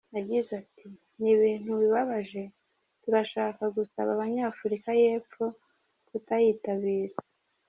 Yagize ati “Ni ibintu bibabaje, turashaka gusaba Abanyafurika y’Epfo kutayitabira.